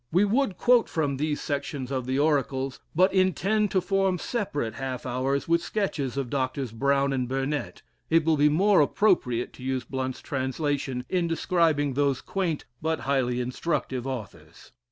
We would quote from these sections of the "Oracles," but intend to form separate "Half Hours," with sketches of Drs. Brown and Burnett; it will be more appropriate to use Blount's translation in describing those quaint, but highly instructive authors.